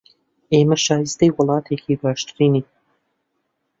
ئێمە شایستەی وڵاتێکی باشترین